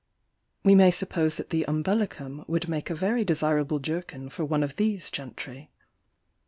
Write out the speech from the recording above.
We may suppose that the umbellicum would make a very desirable jerkin for one of these gentry.